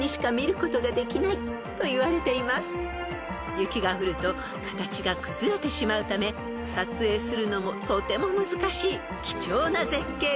［雪が降ると形が崩れてしまうため撮影するのもとても難しい貴重な絶景です］